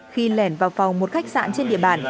khi lẻn vào phòng một khách sạn trên địa bàn